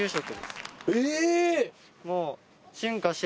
え！